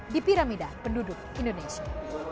di piramida penduduk indonesia